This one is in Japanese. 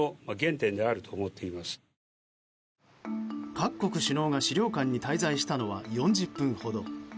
各国首脳が資料館に滞在したのは４０分ほど。